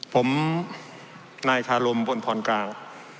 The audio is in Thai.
ผมนายชารมพลพรกลาง